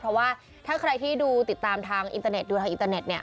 เพราะว่าถ้าใครที่ดูติดตามตามทางอินเตอร์เน็ตเนี่ย